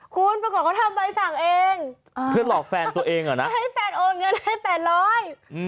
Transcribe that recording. คุณประกอบก็ทำใบสั่งเองเออไม่ให้แฟนโอนเงินให้แปดร้อย